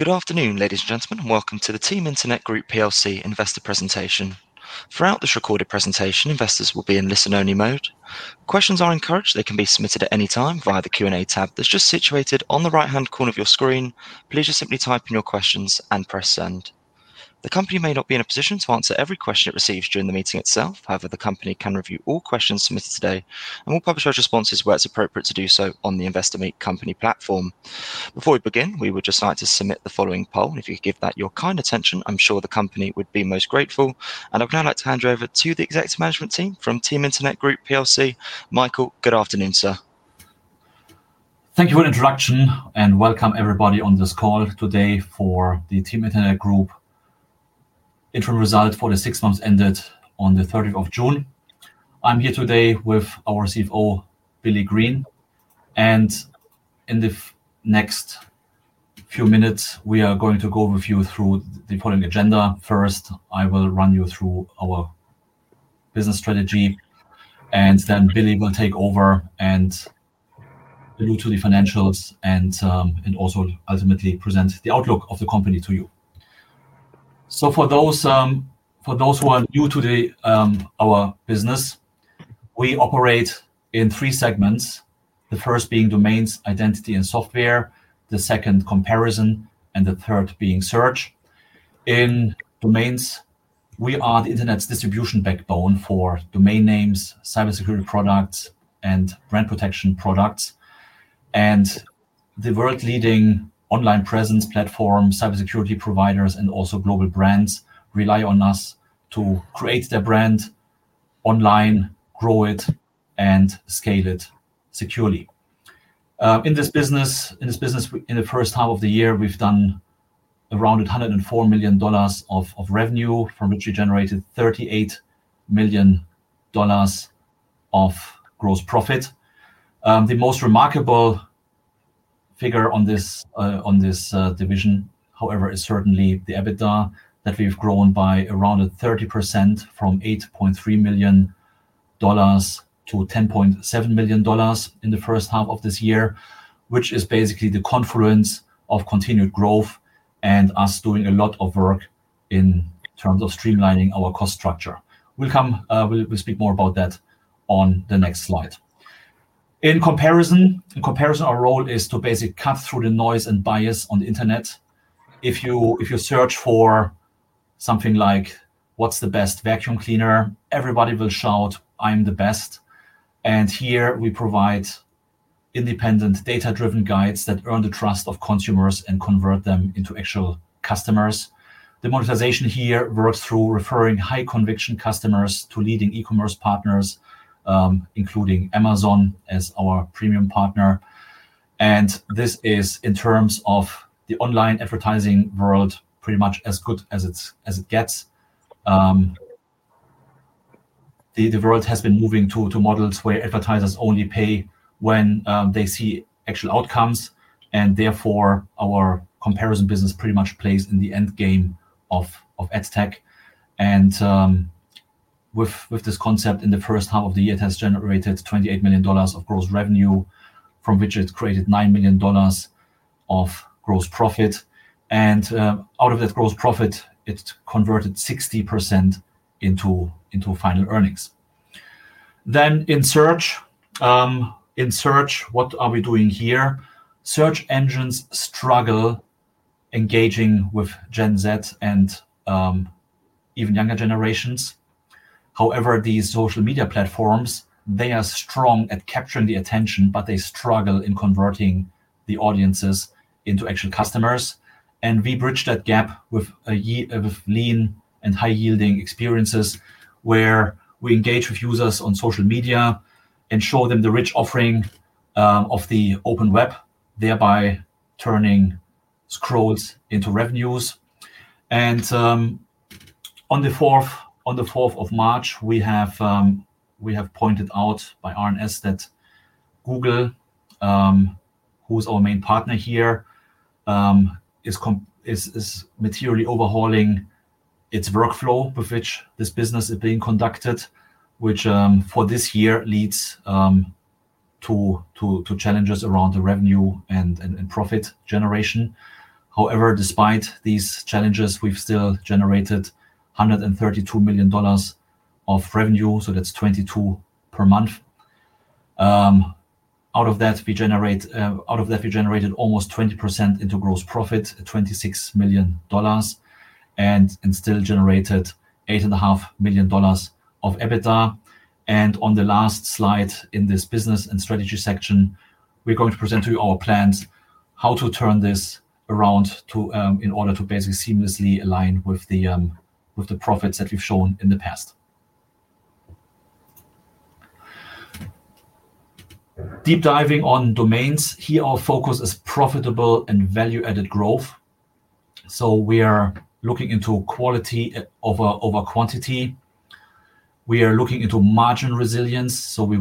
Good afternoon, ladies and gentlemen. Welcome to the Team Internet Group PLC investor presentation. Throughout this recorded presentation, investors will be in listen-only mode. Questions are encouraged. They can be submitted at any time via the Q&A tab that's just situated on the right-hand corner of your screen. Please just simply type in your questions and press send. The company may not be in a position to answer every question it receives during the meeting itself. However, the company can review all questions submitted today and will publish those responses where it's appropriate to do so on the Investor Meet Company platform. Before we begin, we would just like to submit the following poll, and if you could give that your kind attention, I'm sure the company would be most grateful, and I'd now like to hand you over to the Executive Management Team from Team Internet Group PLC. Michael, good afternoon, sir. Thank you for the introduction, and welcome everybody on this call today for the Team Internet Group interim result for the six months ended on the 30th of June. I'm here today with our CFO, Billy Green, and in the next few minutes, we are going to go with you through the following agenda. First, I will run you through our business strategy, and then Billy will take over and look to the financials and also ultimately present the outlook of the company to you. So for those who are new to our business, we operate in three segments, the first being domains, identity, and software, the second comparison, and the third being search. In domains, we are the Internet's distribution backbone for domain names, cybersecurity products, and brand protection products. The world-leading online presence platform, cybersecurity providers, and also global brands rely on us to create their brand online, grow it, and scale it securely. In this business, in the first half of the year, we've done around $104 million of revenue, from which we generated $38 million of gross profit. The most remarkable figure on this division, however, is certainly the EBITDA that we've grown by around 30% from $8.3 million-$10.7 million in the first half of this year, which is basically the confluence of continued growth and us doing a lot of work in terms of streamlining our cost structure. We'll speak more about that on the next slide. In comparison, our role is to basically cut through the noise and bias on the Internet. If you search for something like, "What's the best vacuum cleaner?" everybody will shout, "I'm the best." And here we provide independent data-driven guides that earn the trust of consumers and convert them into actual customers. The monetization here works through referring high-conviction customers to leading e-commerce partners, including Amazon as our premium partner. And this is, in terms of the online advertising world, pretty much as good as it gets. The world has been moving to models where advertisers only pay when they see actual outcomes, and therefore our comparison business pretty much plays in the endgame of adtech. And with this concept, in the first half of the year, it has generated $28 million of gross revenue, from which it created $9 million of gross profit. And out of that gross profit, it converted 60% into final earnings. Then in search, what are we doing here? Search engines struggle engaging with Gen Z and even younger generations. However, these social media platforms, they are strong at capturing the attention, but they struggle in converting the audiences into actual customers, and we bridge that gap with lean and high-yielding experiences where we engage with users on social media and show them the rich offering of the open web, thereby turning scrolls into revenues, and on the 4th of March, we have pointed out by RNS that Google, who is our main partner here, is materially overhauling its workflow with which this business is being conducted, which for this year leads to challenges around the revenue and profit generation. However, despite these challenges, we've still generated $132 million of revenue, so that's $22 per month. Out of that, we generated almost 20% into gross profit at $26 million and still generated $8.5 million of EBITDA. And on the last slide in this business and strategy section, we're going to present to you our plans how to turn this around in order to basically seamlessly align with the profits that we've shown in the past. Deep diving on domains, here our focus is profitable and value-added growth. So we are looking into quality over quantity. We are looking into margin resilience, so we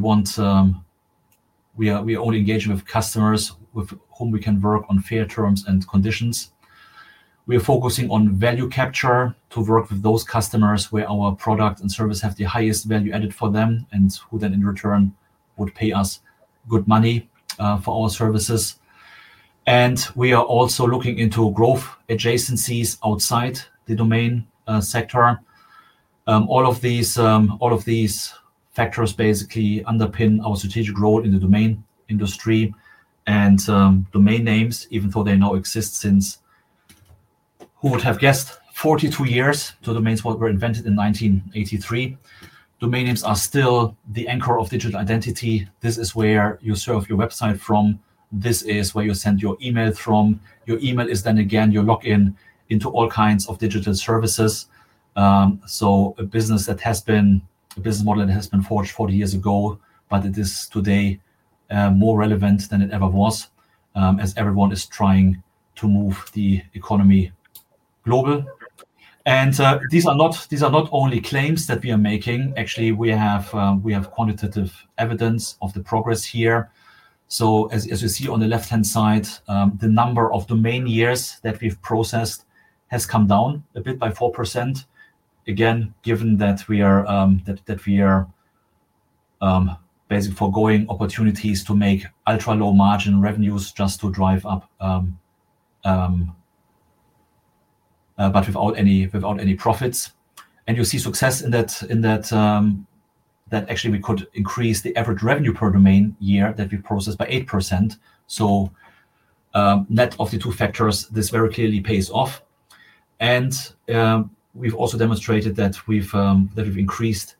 only engage with customers with whom we can work on fair terms and conditions. We are focusing on value capture to work with those customers where our product and service have the highest value added for them and who then in return would pay us good money for our services. And we are also looking into growth adjacencies outside the domain sector. All of these factors basically underpin our strategic role in the domain industry. And domain names, even though they now exist since who would have guessed? 42 years ago domains were invented in 1983. Domain names are still the anchor of digital identity. This is where you serve your website from. This is where you send your emails from. Your email is then again your login into all kinds of digital services. So a business that has been a business model that has been forged 40 years ago, but it is today more relevant than it ever was as everyone is trying to move the economy global. And these are not only claims that we are making. Actually, we have quantitative evidence of the progress here. So as you see on the left-hand side, the number of domain years that we've processed has come down a bit by 4%, again, given that we are basically foregoing opportunities to make ultra-low margin revenues just to drive up, but without any profits. And you see success in that actually we could increase the average revenue per domain year that we've processed by 8%. So net of the two factors, this very clearly pays off. And we've also demonstrated that we've increased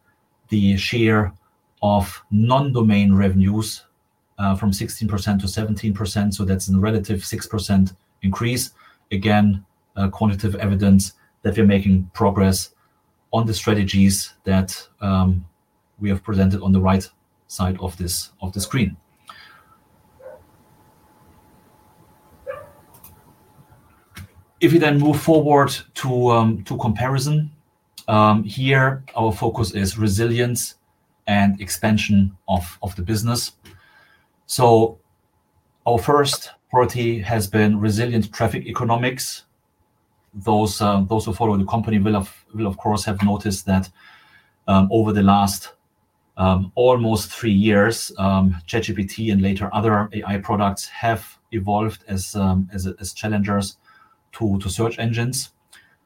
the share of non-domain revenues from 16%-17%, so that's a relative 6% increase. Again, quantitative evidence that we're making progress on the strategies that we have presented on the right side of the screen. If we then move forward to comparison, here our focus is resilience and expansion of the business. So our first priority has been resilient traffic economics. Those who follow the company will, of course, have noticed that over the last almost three years, ChatGPT and later other AI products have evolved as challengers to search engines.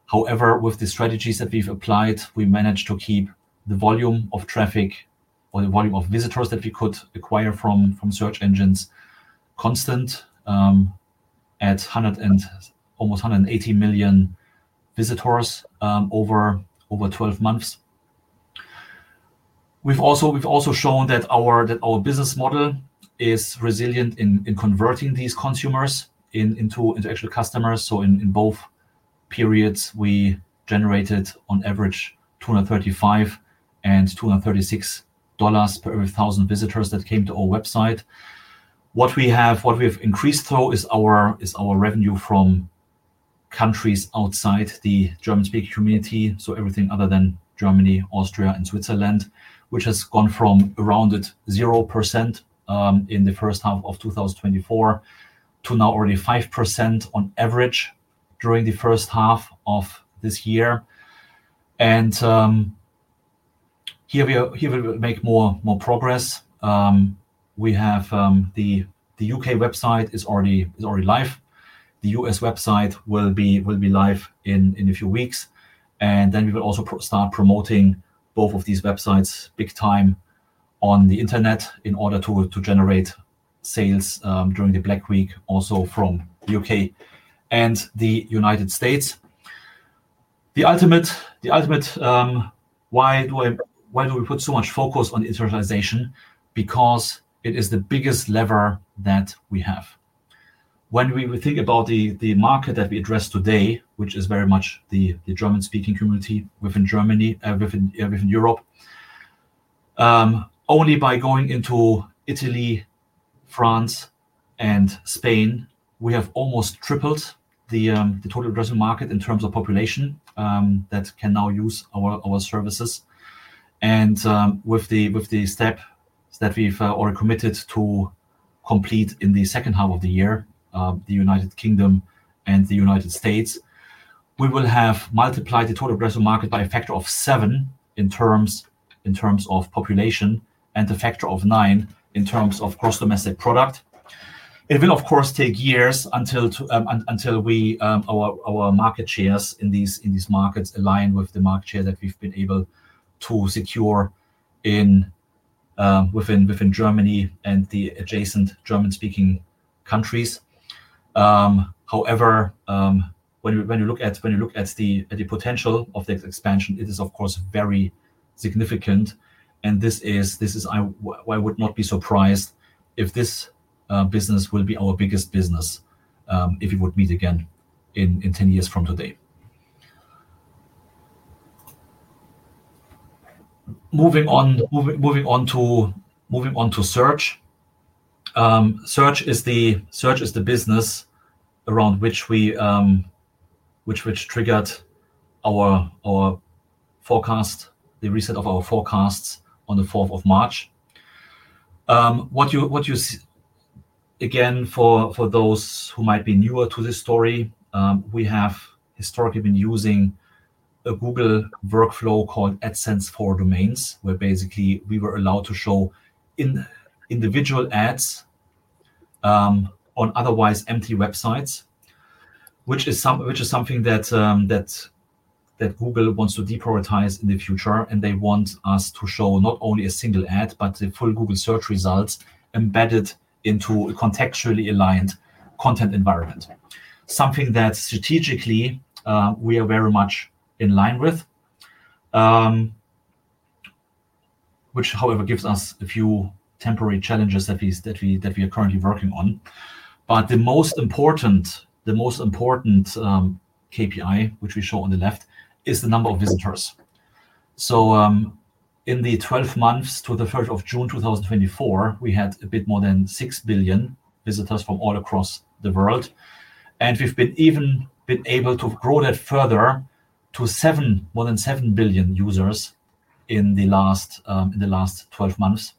However, with the strategies that we've applied, we managed to keep the volume of traffic or the volume of visitors that we could acquire from search engines constant at almost 180 million visitors over 12 months. We've also shown that our business model is resilient in converting these consumers into actual customers. So in both periods, we generated on average $235 and $236 per 1,000 visitors that came to our website. What we have increased, though, is our revenue from countries outside the German-speaking community, so everything other than Germany, Austria, and Switzerland, which has gone from around 0% in the first half of 2024 to now already 5% on average during the first half of this year. Here we will make more progress. We have the UK website is already live. The U.S. website will be live in a few weeks. We will also start promoting both of these websites big time on the Internet in order to generate sales during the Black Week also from the UK and the United States. The ultimate why do we put so much focus on internationalization? Because it is the biggest lever that we have. When we think about the market that we address today, which is very much the German-speaking community within Europe, only by going into Italy, France, and Spain, we have almost tripled the total addressable market in terms of population that can now use our services. With the step that we've already committed to complete in the second half of the year, the United Kingdom and the United States, we will have multiplied the total addressable market by a factor of seven in terms of population and a factor of nine in terms of gross domestic product. It will, of course, take years until our market shares in these markets align with the market share that we've been able to secure within Germany and the adjacent German-speaking countries. However, when you look at the potential of this expansion, it is, of course, very significant. And this is why I would not be surprised if this business will be our biggest business if we would meet again in 10 years from today. Moving on to search. Search is the business around which we triggered our forecast, the reset of our forecasts on the 4th of March. Again, for those who might be newer to this story, we have historically been using a Google workflow called AdSense for Domains, where basically we were allowed to show individual ads on otherwise empty websites, which is something that Google wants to deprioritize in the future, and they want us to show not only a single ad, but the full Google search results embedded into a contextually aligned content environment, something that strategically we are very much in line with, which, however, gives us a few temporary challenges that we are currently working on, but the most important KPI, which we show on the left, is the number of visitors, so in the 12 months to the 1st of June 2024, we had a bit more than 6 billion visitors from all across the world. We've even been able to grow that further to more than 7 billion users in the last 12 months,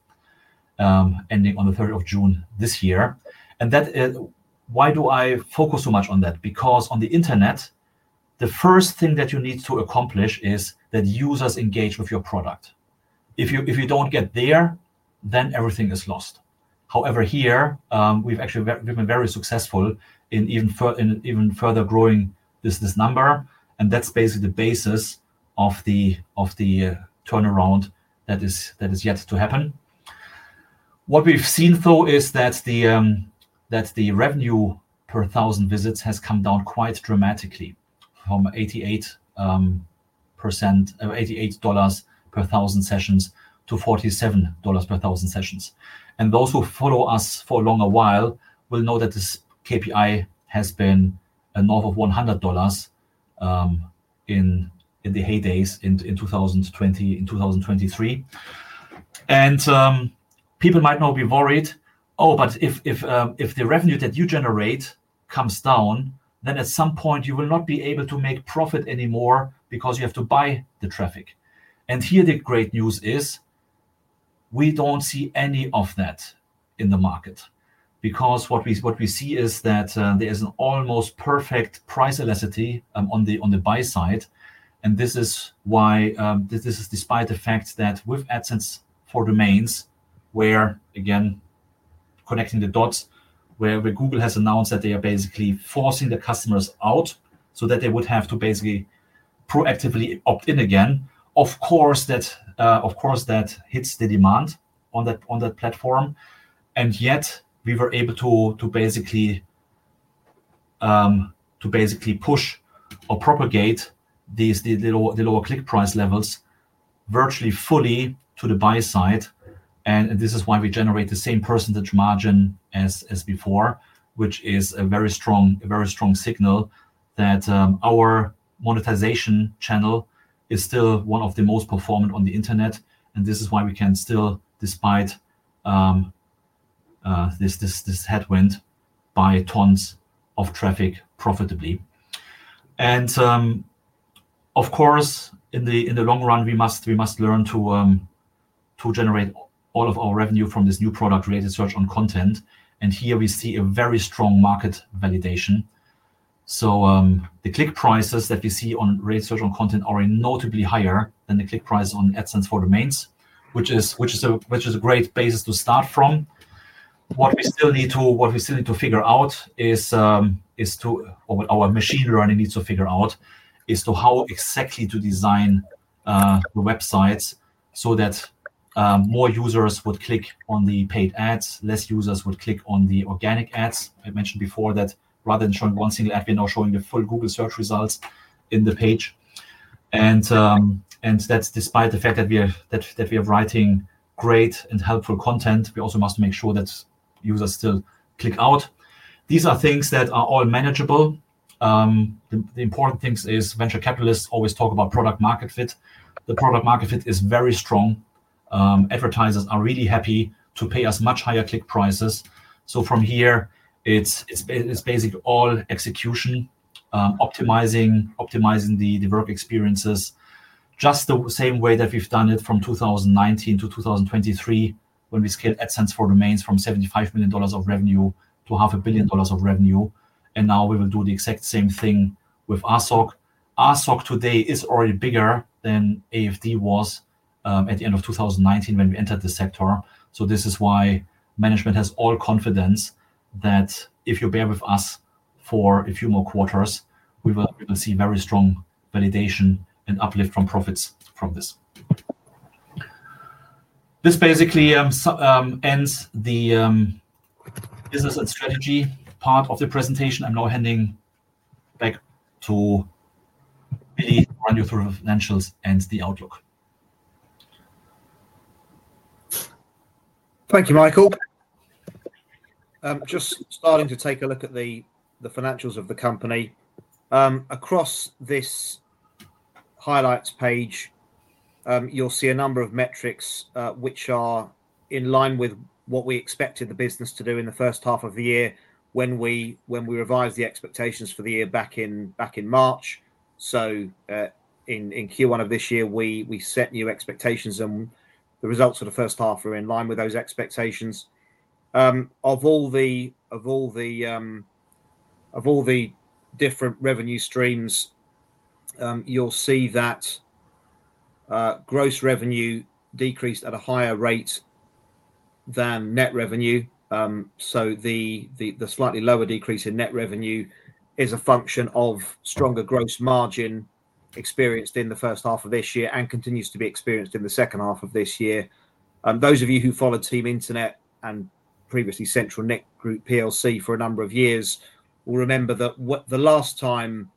ending on the 3rd of June this year. Why do I focus so much on that? Because on the Internet, the first thing that you need to accomplish is that users engage with your product. If you don't get there, then everything is lost. However, here, we've been very successful in even further growing this number. That's basically the basis of the turnaround that is yet to happen. What we've seen, though, is that the revenue per 1,000 visits has come down quite dramatically from $88 per 1,000 sessions to $47 per 1,000 sessions. Those who follow us for a longer while will know that this KPI has been north of $100 in the heydays in 2023. And people might now be worried, "Oh, but if the revenue that you generate comes down, then at some point you will not be able to make profit anymore because you have to buy the traffic." And here the great news is we don't see any of that in the market because what we see is that there is an almost perfect price elasticity on the buy side. And this is despite the fact that with AdSense for Domains, where again, connecting the dots, where Google has announced that they are basically forcing the customers out so that they would have to basically proactively opt in again. Of course, that hits the demand on that platform. And yet we were able to basically push or propagate the lower click price levels virtually fully to the buy side. This is why we generate the same percentage margin as before, which is a very strong signal that our monetization channel is still one of the most performant on the Internet. And this is why we can still, despite this headwind, buy tons of traffic profitably. And of course, in the long run, we must learn to generate all of our revenue from this new product, Related Search on Content. And here we see a very strong market validation. So the click prices that we see on Related Search on Content are notably higher than the click price on AdSense for Domains, which is a great basis to start from. What we still need to figure out is, or what our machine learning needs to figure out, is how exactly to design the websites so that more users would click on the paid ads, less users would click on the organic ads. I mentioned before that rather than showing one single ad, we're now showing the full Google search results in the page, and that's despite the fact that we are writing great and helpful content. We also must make sure that users still click out. These are things that are all manageable. The important thing is venture capitalists always talk about product-market fit. The product-market fit is very strong. Advertisers are really happy to pay us much higher click prices. So from here, it's basically all execution, optimizing the work experiences just the same way that we've done it from 2019-2023 when we scaled AdSense for Domains from $75 million of revenue to $500 million of revenue. And now we will do the exact same thing with RSoC. RSoC today is already bigger than AFD was at the end of 2019 when we entered the sector. So this is why management has all confidence that if you bear with us for a few more quarters, we will see very strong validation and uplift from profits from this. This basically ends the business and strategy part of the presentation. I'm now handing back to Billy to run you through the financials and the outlook. Thank you, Michael. Just starting to take a look at the financials of the company. Across this highlights page, you'll see a number of metrics which are in line with what we expected the business to do in the first half of the year when we revised the expectations for the year back in March. So in Q1 of this year, we set new expectations, and the results of the first half were in line with those expectations. Of all the different revenue streams, you'll see that gross revenue decreased at a higher rate than net revenue. So the slightly lower decrease in net revenue is a function of stronger gross margin experienced in the first half of this year and continues to be experienced in the second half of this year. Those of you who followed Team Internet and previously CentralNic Group PLC for a number of years will remember that the last time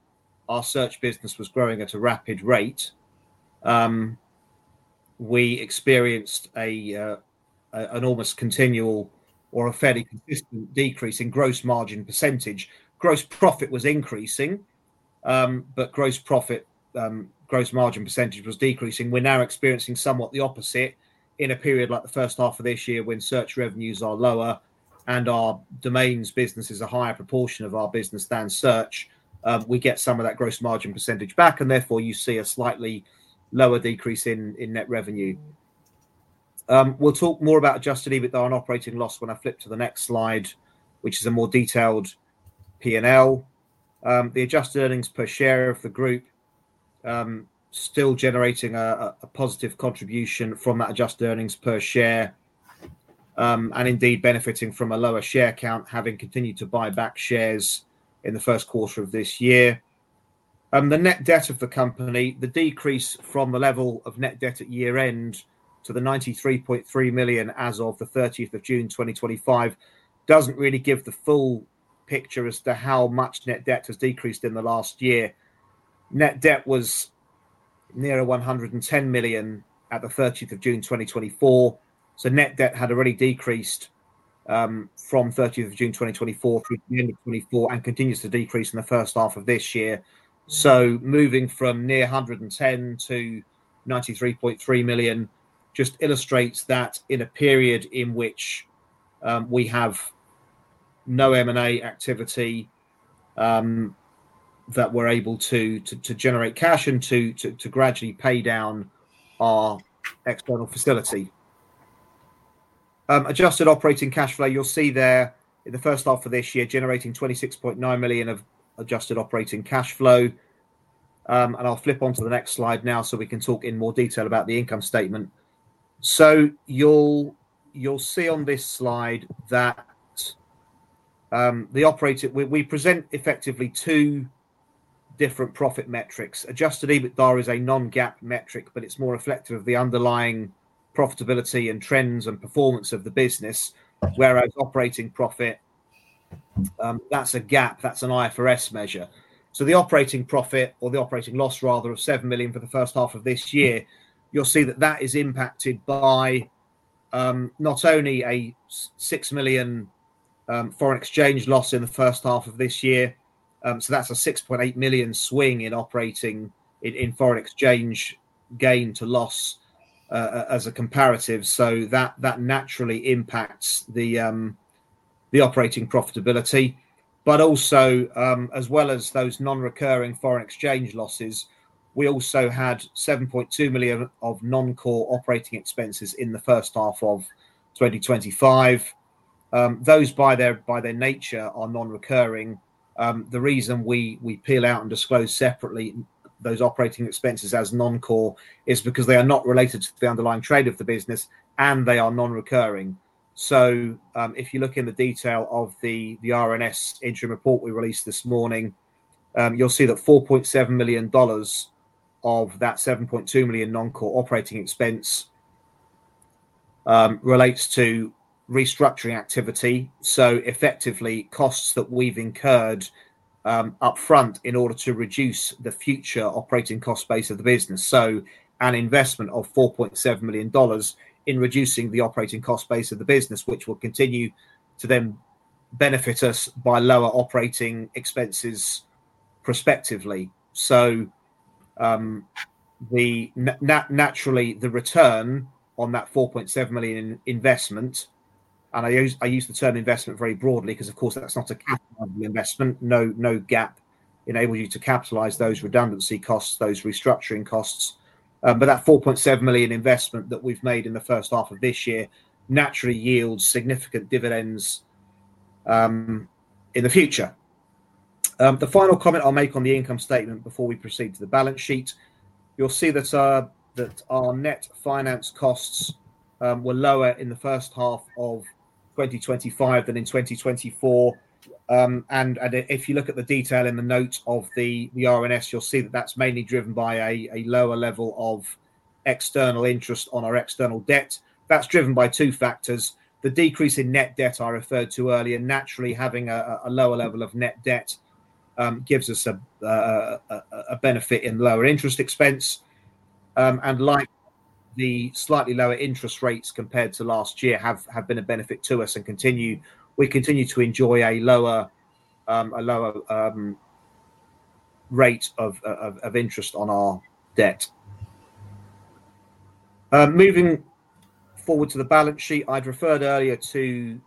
our search business was growing at a rapid rate, we experienced an almost continual or a fairly consistent decrease in gross margin percentage. Gross profit was increasing, but gross margin percentage was decreasing. We're now experiencing somewhat the opposite. In a period like the first half of this year when search revenues are lower and our domains business is a higher proportion of our business than search, we get some of that gross margin percentage back. And therefore, you see a slightly lower decrease in net revenue. We'll talk more about Adjusted EBITDA and operating loss when I flip to the next slide, which is a more detailed P&L. The adjusted earnings per share of the group is still generating a positive contribution from that adjusted earnings per share and indeed benefiting from a lower share count, having continued to buy back shares in the first quarter of this year. The net debt of the company, the decrease from the level of net debt at year-end to the 93.3 million as of the 30th of June 2025, doesn't really give the full picture as to how much net debt has decreased in the last year. net debt was near 110 million at the 30th of June 2024. So net debt had already decreased from 30th of June 2024 through the end of 2024 and continues to decrease in the first half of this year. Moving from near 110 to 93.3 million just illustrates that in a period in which we have no M&A activity that we're able to generate cash and to gradually pay down our external facility. Adjusted operating cash flow, you'll see there in the first half of this year generating 26.9 million of adjusted operating cash flow. I'll flip on to the next slide now so we can talk in more detail about the income statement. You'll see on this slide that we present effectively two different profit metrics. Adjusted EBITDA is a non-GAAP metric, but it's more reflective of the underlying profitability and trends and performance of the business, whereas operating profit, that's a GAAP. That's an IFRS measure. The operating profit or the operating loss, rather, of 7 million for the first half of this year, you'll see that that is impacted by not only a 6 million foreign exchange loss in the first half of this year. That's a 6.8 million swing in operating foreign exchange gain to loss as a comparative. That naturally impacts the operating profitability. Also, as well as those non-recurring foreign exchange losses, we also had 7.2 million of non-core operating expenses in the first half of 2025. Those, by their nature, are non-recurring. The reason we peel out and disclose separately those operating expenses as non-core is because they are not related to the underlying trade of the business, and they are non-recurring. If you look in the detail of the RNS interim report we released this morning, you'll see that $4.7 million of that $7.2 million non-core operating expense relates to restructuring activity. So effectively, costs that we've incurred upfront in order to reduce the future operating cost base of the business. So an investment of $4.7 million in reducing the operating cost base of the business, which will continue to then benefit us by lower operating expenses prospectively. So naturally, the return on that $4.7 million investment, and I use the term investment very broadly because, of course, that's not a capital investment. No GAAP enables you to capitalize those redundancy costs, those restructuring costs. But that $4.7 million investment that we've made in the first half of this year naturally yields significant dividends in the future. The final comment I'll make on the income statement before we proceed to the balance sheet, you'll see that our net finance costs were lower in the first half of 2025 than in 2024, and if you look at the detail in the notes of the RNS, you'll see that that's mainly driven by a lower level of external interest on our external debt. That's driven by two factors. The decrease in net debt I referred to earlier, naturally having a lower level of net debt gives us a benefit in lower interest expense, and like the slightly lower interest rates compared to last year have been a benefit to us and continue to enjoy a lower rate of interest on our debt. Moving forward to the balance sheet, I'd referred earlier to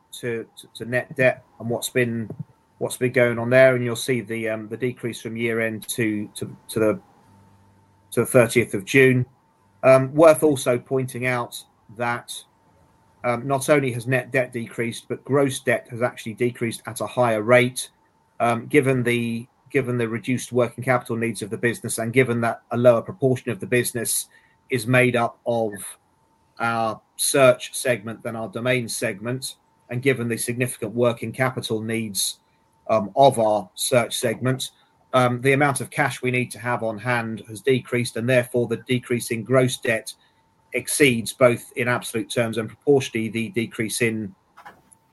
net debt and what's been going on there. And you'll see the decrease from year-end to the 30th of June. Worth also pointing out that not only has net debt decreased, but gross debt has actually decreased at a higher rate given the reduced working capital needs of the business and given that a lower proportion of the business is made up of our search segment than our domain segment. And given the significant working capital needs of our search segment, the amount of cash we need to have on hand has decreased. And therefore, the decrease in gross debt exceeds both in absolute terms and proportionately the decrease in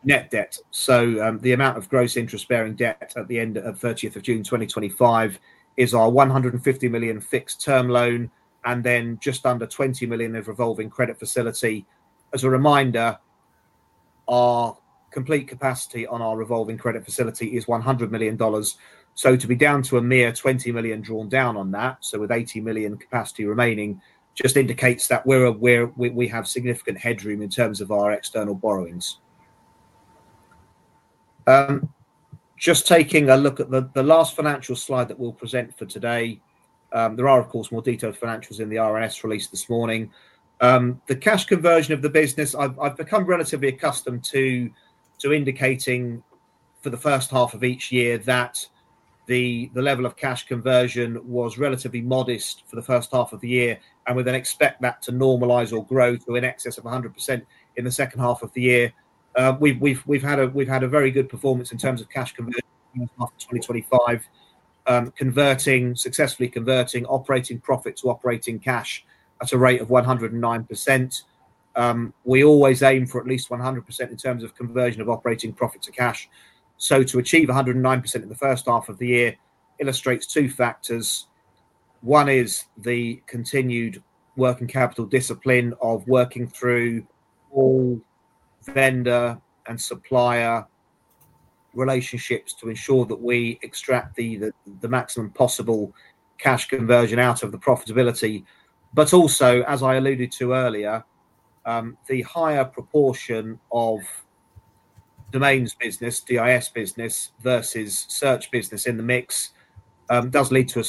net debt. So the amount of gross interest-bearing debt at the end of 30th of June 2025 is our $150 million fixed term loan and then just under $20 million of revolving credit facility. As a reminder, our complete capacity on our revolving credit facility is $100 million. To be down to a mere 20 million drawn down on that, with 80 million capacity remaining, just indicates that we have significant headroom in terms of our external borrowings. Just taking a look at the last financial slide that we'll present for today, there are, of course, more detailed financials in the RNS released this morning. The cash conversion of the business. I've become relatively accustomed to indicating for the first half of each year that the level of cash conversion was relatively modest for the first half of the year. We then expect that to normalize or grow to an excess of 100% in the second half of the year. We've had a very good performance in terms of cash conversion in the first half of 2025, successfully converting operating profit to operating cash at a rate of 109%. We always aim for at least 100% in terms of conversion of operating profit to cash. So to achieve 109% in the first half of the year illustrates two factors. One is the continued working capital discipline of working through all vendor and supplier relationships to ensure that we extract the maximum possible cash conversion out of the profitability. But also, as I alluded to earlier, the higher proportion of domains business, DIS business versus search business in the mix does lead to,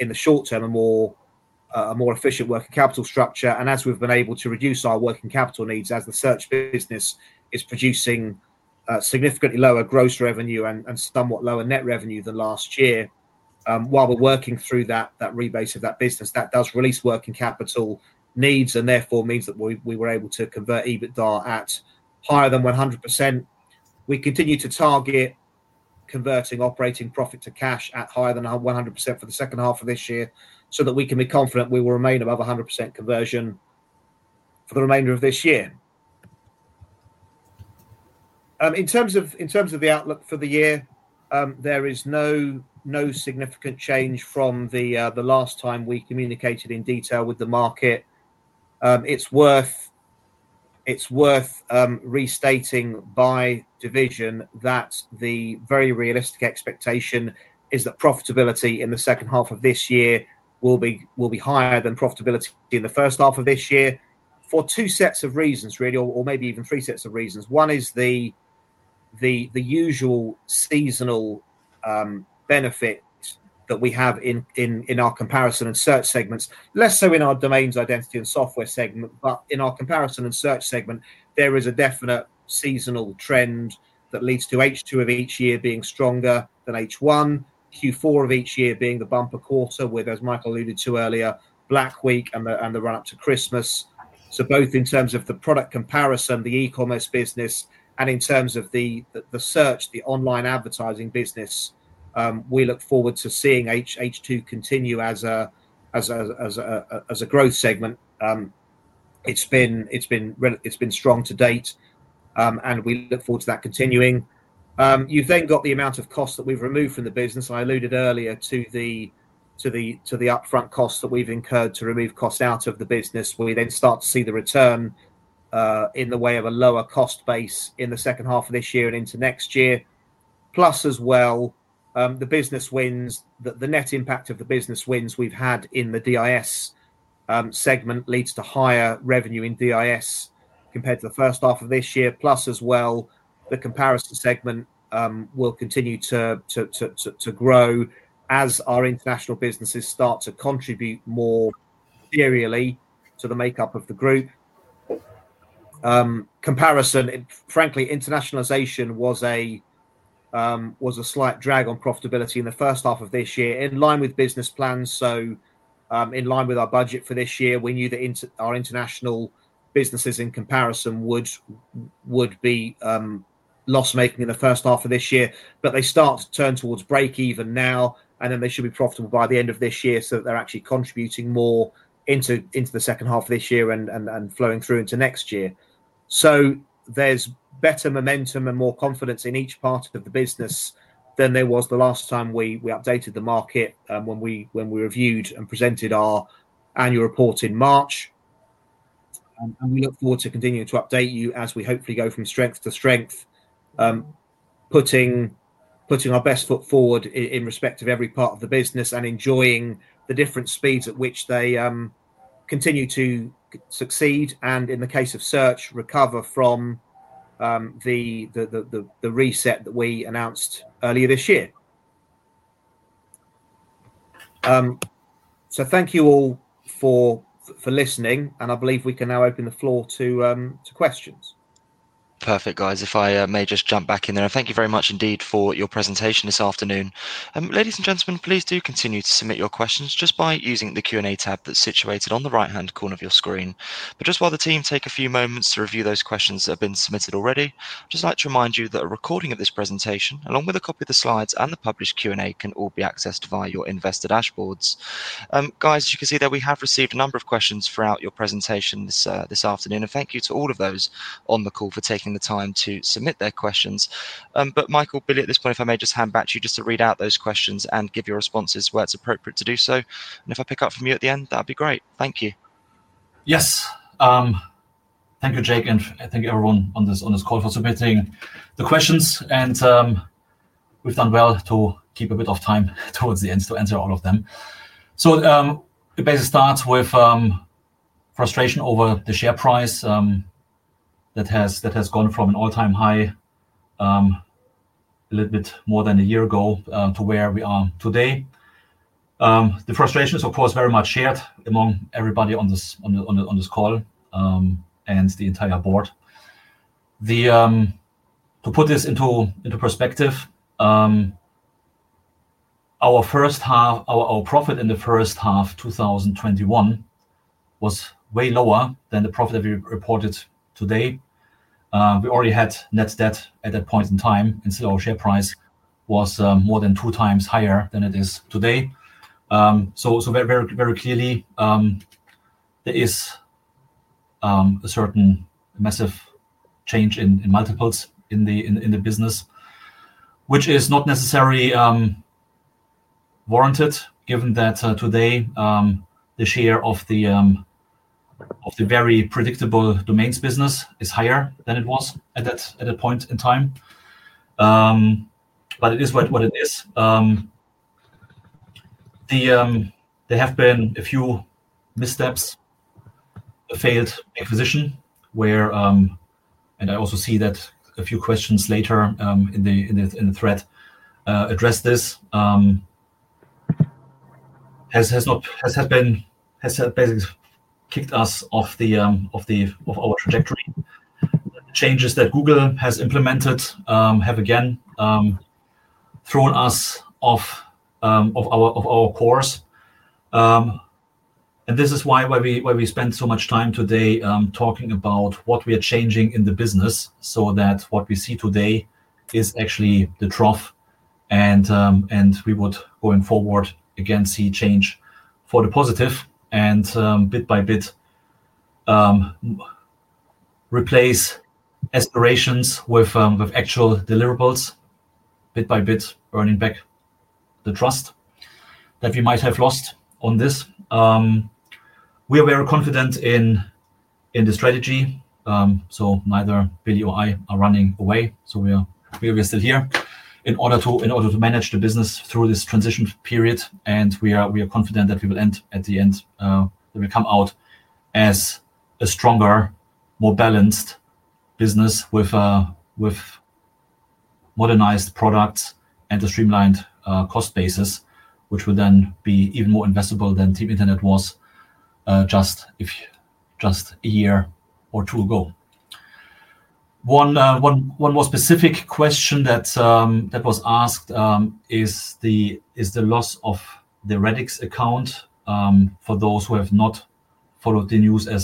in the short term, a more efficient working capital structure. As we've been able to reduce our working capital needs as the search business is producing significantly lower gross revenue and somewhat lower net revenue than last year, while we're working through that rebate of that business, that does release working capital needs and therefore means that we were able to convert EBITDA at higher than 100%. We continue to target converting operating profit to cash at higher than 100% for the second half of this year so that we can be confident we will remain above 100% conversion for the remainder of this year. In terms of the outlook for the year, there is no significant change from the last time we communicated in detail with the market. It's worth restating by division that the very realistic expectation is that profitability in the second half of this year will be higher than profitability in the first half of this year for two sets of reasons, really, or maybe even three sets of reasons. One is the usual seasonal benefit that we have in our comparison and search segments, less so in our domains, identity, and software segment. But in our comparison and search segment, there is a definite seasonal trend that leads to H2 of each year being stronger than H1, Q4 of each year being the bumper quarter, where there's, Michael alluded to earlier, Black Week and the run-up to Christmas. So both in terms of the product comparison, the e-commerce business, and in terms of the search, the online advertising business, we look forward to seeing H2 continue as a growth segment. It's been strong to date, and we look forward to that continuing. You've then got the amount of cost that we've removed from the business. I alluded earlier to the upfront costs that we've incurred to remove costs out of the business. We then start to see the return in the way of a lower cost base in the second half of this year and into next year. Plus, as well, the business wins, the net impact of the business wins we've had in the DIS segment leads to higher revenue in DIS compared to the first half of this year. Plus, as well, the comparison segment will continue to grow as our international businesses start to contribute more serially to the makeup of the group. Comparison, frankly, internationalization was a slight drag on profitability in the first half of this year in line with business plans. So in line with our budget for this year, we knew that our international businesses in comparison would be loss-making in the first half of this year. But they start to turn towards break-even now, and then they should be profitable by the end of this year so that they're actually contributing more into the second half of this year and flowing through into next year. So there's better momentum and more confidence in each part of the business than there was the last time we updated the market when we reviewed and presented our annual report in March. And we look forward to continuing to update you as we hopefully go from strength to strength, putting our best foot forward in respect of every part of the business and enjoying the different speeds at which they continue to succeed and, in the case of search, recover from the reset that we announced earlier this year. So thank you all for listening, and I believe we can now open the floor to questions. Perfect, guys. If I may just jump back in there, thank you very much indeed for your presentation this afternoon. Ladies and gentlemen, please do continue to submit your questions just by using the Q&A tab that's situated on the right-hand corner of your screen. But just while the team take a few moments to review those questions that have been submitted already, I'd just like to remind you that a recording of this presentation, along with a copy of the slides and the published Q&A, can all be accessed via your investor dashboards. Guys, as you can see there, we have received a number of questions throughout your presentations this afternoon, and thank you to all of those on the call for taking the time to submit their questions, but Michael, Billy, at this point, if I may just hand back to you just to read out those questions and give your responses where it's appropriate to do so, and if I pick up from you at the end, that'd be great. Thank you. Yes. Thank you, Jake, and thank you, everyone on this call for submitting the questions. And we've done well to keep a bit of time towards the end to answer all of them. So it basically starts with frustration over the share price that has gone from an all-time high a little bit more than a year ago to where we are today. The frustration is, of course, very much shared among everybody on this call and the entire board. To put this into perspective, our profit in the first half of 2021 was way lower than the profit that we reported today. We already had net debt at that point in time, and so our share price was more than two times higher than it is today. So very clearly, there is a certain massive change in multiples in the business, which is not necessarily warranted given that today the share of the very predictable domains business is higher than it was at that point in time. But it is what it is. There have been a few missteps, a failed acquisition, and I also see that a few questions later in the thread address this. Has basically kicked us off of our trajectory. The changes that Google has implemented have, again, thrown us off of our course, and this is why we spent so much time today talking about what we are changing in the business so that what we see today is actually the trough. We would, going forward, again see change for the positive and bit by bit replace aspirations with actual deliverables, bit by bit earning back the trust that we might have lost on this. We are very confident in the strategy, so neither Billy nor I are running away. We are still here in order to manage the business through this transition period. We are confident that we will end at the end, that we come out as a stronger, more balanced business with modernized products and a streamlined cost basis, which will then be even more investable than Team Internet was just a year or two ago. One more specific question that was asked is the loss of the Radix account for those who have not followed the news in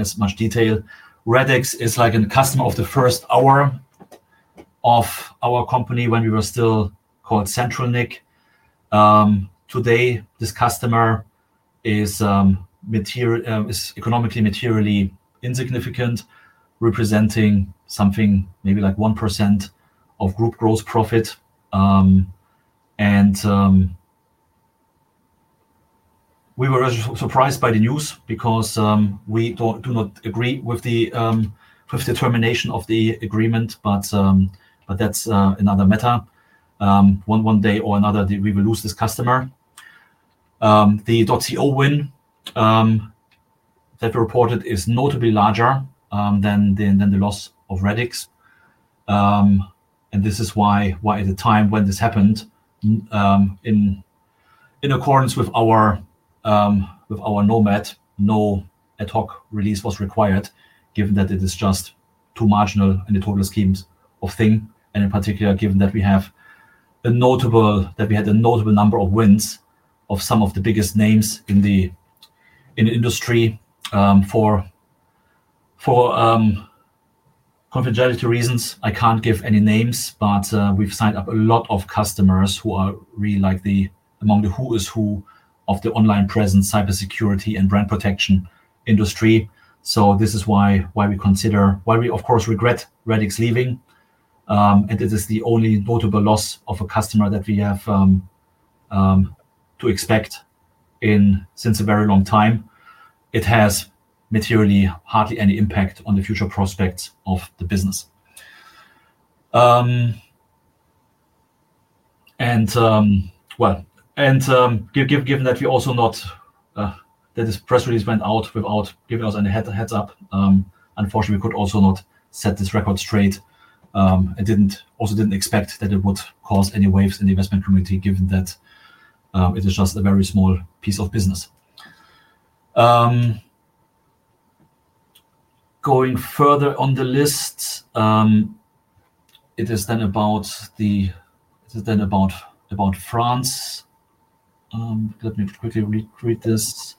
as much detail. Radix is like a customer of the first hour of our company when we were still called CentralNic. Today, this customer is economically materially insignificant, representing something maybe like 1% of group gross profit. We were surprised by the news because we do not agree with the termination of the agreement, but that's another matter. One day or another, we will lose this customer. The .co win that we reported is notably larger than the loss of Radix. This is why at the time when this happened, in accordance with our Nomad, no ad hoc release was required, given that it is just too marginal in the total scheme of things. In particular, given that we had a notable number of wins of some of the biggest names in the industry. For confidentiality reasons, I can't give any names, but we've signed up a lot of customers who are among the who is who of the online presence, cybersecurity, and brand protection industry, so this is why we, of course, regret Radix leaving, and it is the only notable loss of a customer that we have to expect since a very long time. It has materially hardly any impact on the future prospects of the business, and given that we also note that this press release went out without giving us any heads-up, unfortunately, we could also not set this record straight. I also didn't expect that it would cause any waves in the investment community, given that it is just a very small piece of business. Going further on the list, it is then about France. Let me quickly read this.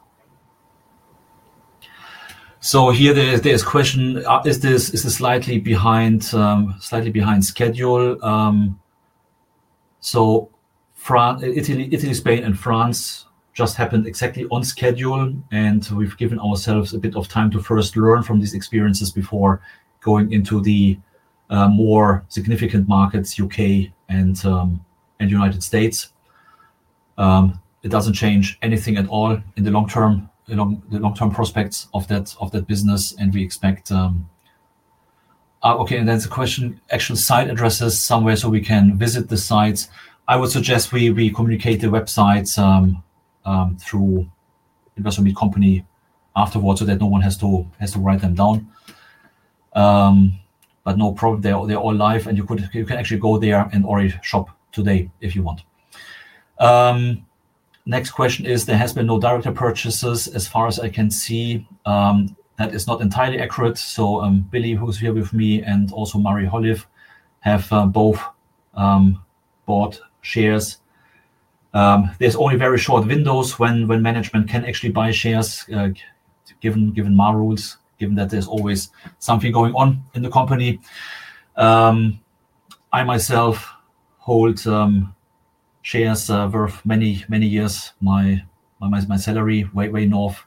Here, there is a question: Is this slightly behind schedule? Italy, Spain, and France just happened exactly on schedule. We've given ourselves a bit of time to first learn from these experiences before going into the more significant markets, UK and United States. It doesn't change anything at all in the long-term prospects of that business. We expect okay, and then it's a question: actual site addresses somewhere so we can visit the sites. I would suggest we communicate the websites through the Investor Meet Company afterwards so that no one has to write them down. No problem. They're all live, and you can actually go there and already shop today if you want. Next question is: there has been no direct purchases as far as I can see. That is not entirely accurate. So Billy, who's here with me, and also Marie Holive have both bought shares. There's only very short windows when management can actually buy shares, given my rules, given that there's always something going on in the company. I myself hold shares worth many years. My salary way north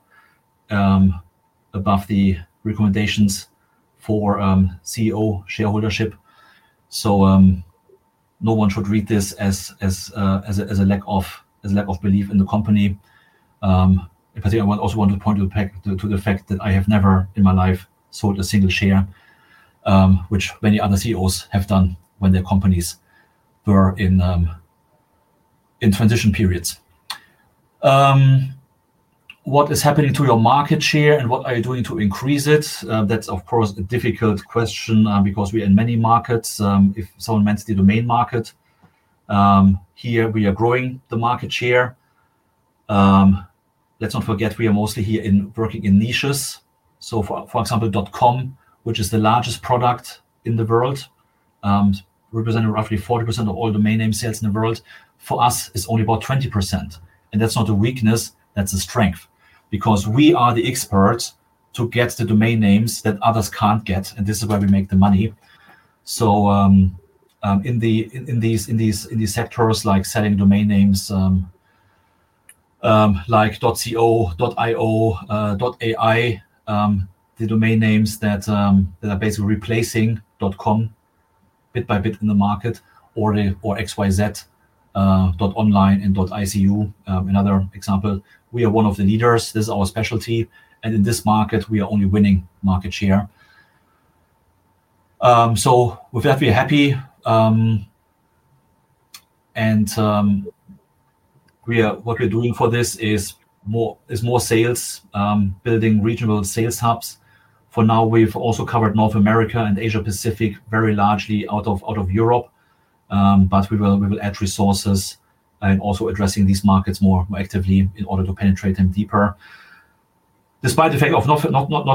above the recommendations for CEO shareholdership. So no one should read this as a lack of belief in the company. I also want to point to the fact that I have never in my life sold a single share, which many other CEOs have done when their companies were in transition periods. What is happening to your market share and what are you doing to increase it? That's, of course, a difficult question because we are in many markets. If someone meant the domain market, here we are growing the market share. Let's not forget we are mostly here working in niches. So for example, .com, which is the largest product in the world, representing roughly 40% of all domain name sales in the world, for us, it's only about 20%. And that's not a weakness. That's a strength because we are the experts to get the domain names that others can't get. And this is where we make the money. So in these sectors like selling domain names like .co, .io, .ai, the domain names that are basically replacing .com bit by bit in the market or .xyz, .online and .icu, another example. We are one of the leaders. This is our specialty. And in this market, we are only winning market share. So with that, we're happy. And what we're doing for this is more sales, building regional sales hubs. For now, we've also covered North America and Asia-Pacific very largely out of Europe. But we will add resources and also addressing these markets more actively in order to penetrate them deeper. Despite the fact of not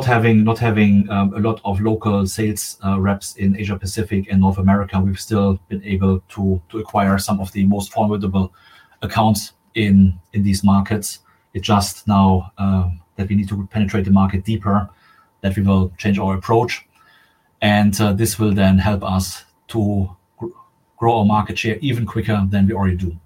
having a lot of local sales reps in Asia-Pacific and North America, we've still been able to acquire some of the most formidable accounts in these markets. It's just now that we need to penetrate the market deeper, that we will change our approach. And this will then help us to grow our market share even quicker than we already do.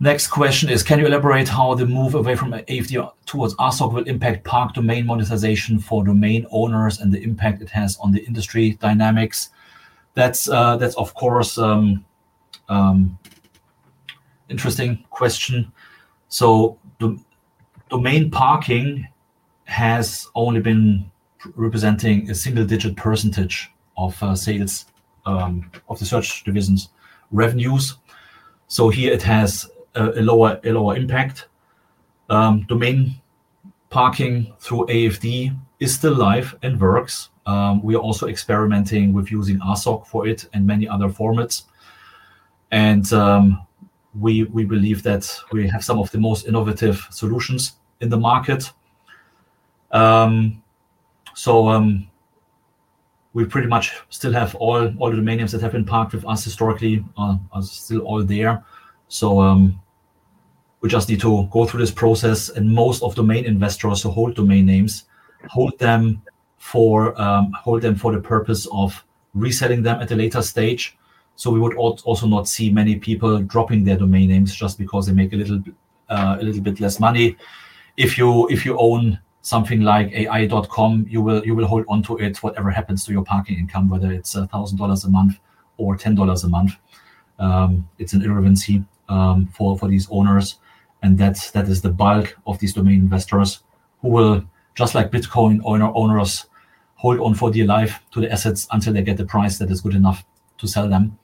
Next question is: Can you elaborate how the move away from AFD towards RSoC will impact domain parking monetization for domain owners and the impact it has on the industry dynamics? That's, of course, an interesting question. Domain parking has only been representing a single-digit percentage of sales of the search division's revenues. So here, it has a lower impact. Domain parking through AFD is still live and works. We are also experimenting with using RSoC for it and many other formats. And we believe that we have some of the most innovative solutions in the market. So we pretty much still have all the domain names that have been parked with us historically are still all there. So we just need to go through this process. And most of the main investors who hold domain names hold them for the purpose of reselling them at a later stage. So we would also not see many people dropping their domain names just because they make a little bit less money. If you own something like AI.com, you will hold onto it, whatever happens to your parking income, whether it's $1,000 a month or $10 a month. It's an irrelevance for these owners. And that is the bulk of these domain investors who will, just like Bitcoin owners, hold on for dear life to the assets until they get the price that is good enough to sell them.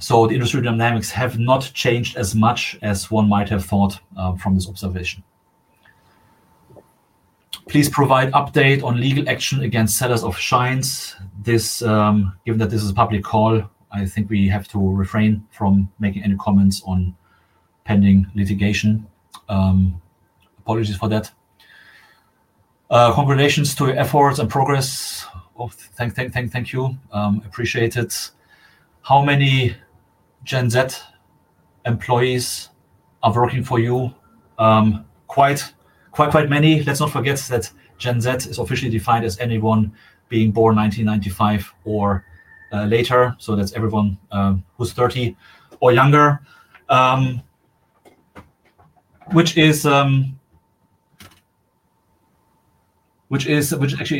So the industry dynamics have not changed as much as one might have thought from this observation. Please provide update on legal action against sellers of Shinez. Given that this is a public call, I think we have to refrain from making any comments on pending litigation. Apologies for that. Congratulations to your efforts and progress. Thank you. Appreciate it. How many Gen Z employees are working for you? Quite many. Let's not forget that Gen Z is officially defined as anyone being born 1995 or later. So that's everyone who's 30 or younger, which is actually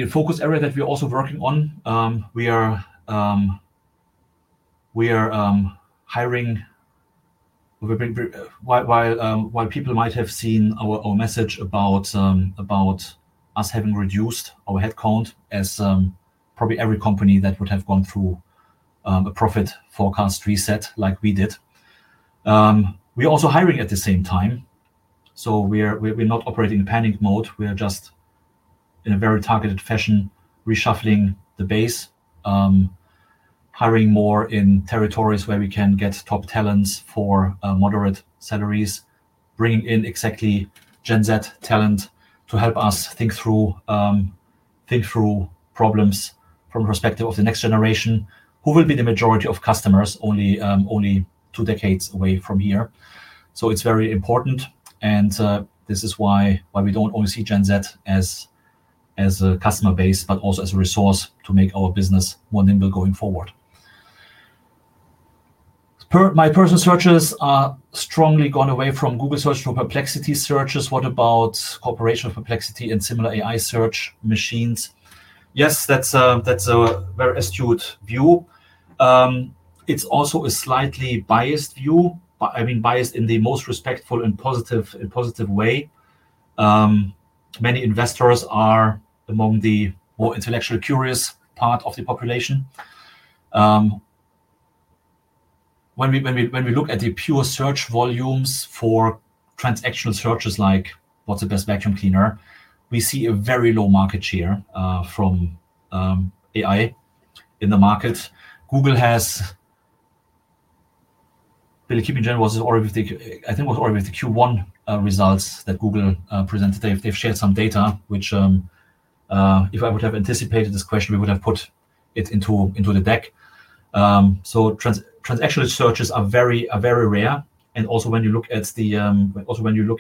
a focus area that we're also working on. We are hiring. While people might have seen our message about us having reduced our headcount, as probably every company that would have gone through a profit forecast reset like we did, we are also hiring at the same time. So we're not operating in a panic mode. We are just, in a very targeted fashion, reshuffling the base, hiring more in territories where we can get top talents for moderate salaries, bringing in exactly Gen Z talent to help us think through problems from the perspective of the next generation, who will be the majority of customers only two decades away from here. So it's very important. And this is why we don't only see Gen Z as a customer base, but also as a resource to make our business more nimble going forward. My personal searches are strongly gone away from Google Search to Perplexity searches. What about corporate Perplexity and similar AI search machines? Yes, that's a very astute view. It's also a slightly biased view. I mean, biased in the most respectful and positive way. Many investors are among the more intellectually curious part of the population. When we look at the pure search volumes for transactional searches like what's the best vacuum cleaner, we see a very low market share from AI in the market. Google has been keeping generally. It was already with the Q1 results that Google presented. They've shared some data, which if I would have anticipated this question, we would have put it into the deck, so transactional searches are very rare, and also when you look at the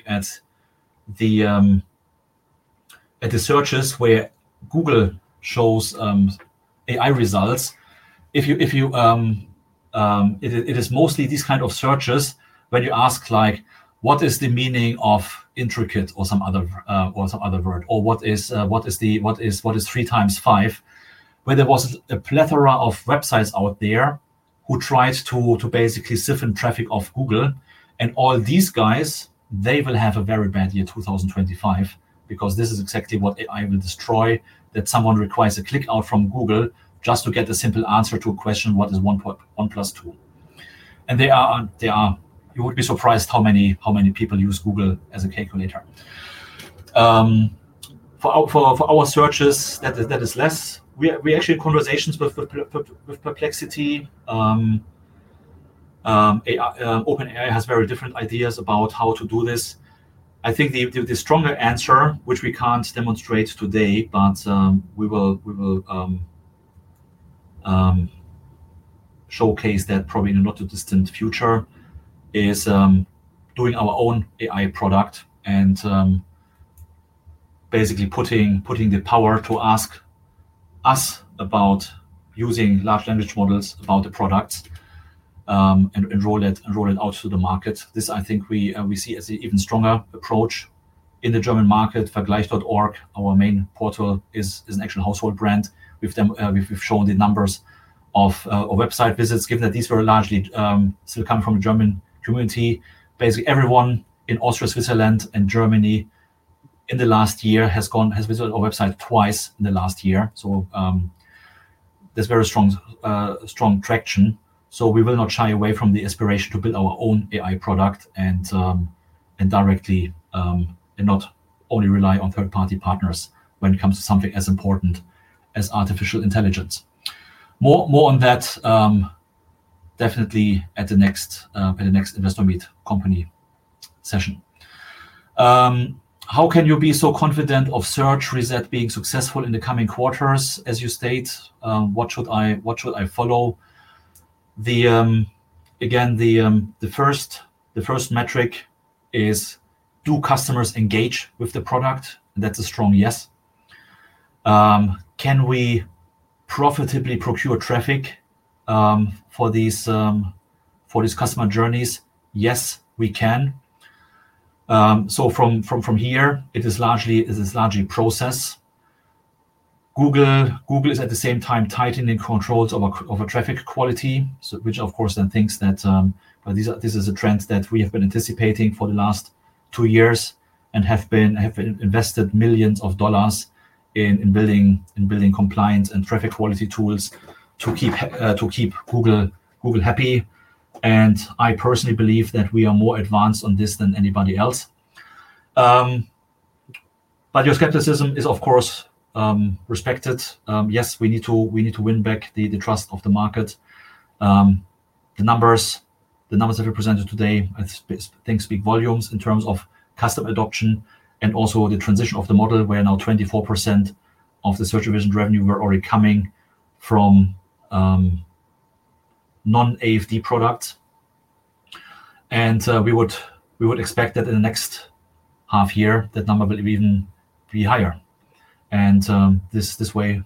searches where Google shows AI results, it is mostly these kind of searches where you ask like, what is the meaning of intricate or some other word? Or what is three times five? Where there was a plethora of websites out there who tried to basically siphon traffic off Google, and all these guys, they will have a very bad year 2025 because this is exactly what AI will destroy, that someone requires a click out from Google just to get a simple answer to a question, what is one plus two?, and you would be surprised how many people use Google as a calculator. For our searches, that is less. We actually have conversations with Perplexity. OpenAI has very different ideas about how to do this. I think the stronger answer, which we can't demonstrate today, but we will showcase that probably in a not too distant future, is doing our own AI product and basically putting the power to ask us about using large language models about the products and roll it out to the market. This, I think, we see as an even stronger approach in the German market. Vergleich.org, our main portal, is an actual household brand. We've shown the numbers of website visits, given that these were largely still coming from the German community. Basically, everyone in Austria, Switzerland, and Germany in the last year has visited our website twice in the last year. So there's very strong traction. So we will not shy away from the aspiration to build our own AI product and directly and not only rely on third-party partners when it comes to something as important as artificial intelligence. More on that, definitely at the next Investor Meet Company session. How can you be so confident of search reset being successful in the coming quarters, as you state? What should I follow? Again, the first metric is, do customers engage with the product? And that's a strong yes. Can we profitably procure traffic for these customer journeys? Yes, we can. So from here, it is largely a process. Google is at the same time tightening controls of our traffic quality, which, of course, then thinks that this is a trend that we have been anticipating for the last two years and have invested millions of dollars in building compliance and traffic quality tools to keep Google happy. I personally believe that we are more advanced on this than anybody else. Your skepticism is, of course, respected. Yes, we need to win back the trust of the market. The numbers that we presented today, I think, speak volumes in terms of customer adoption and also the transition of the model where now 24% of the search division revenue were already coming from non-AFD products. We would expect that in the next half year, that number will even be higher. This way,